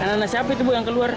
anak anak siapa itu yang keluar